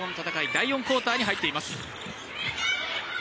第４クオーターに入っています。